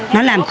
nó làm khó